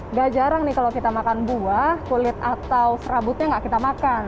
nggak jarang nih kalau kita makan buah kulit atau serabutnya nggak kita makan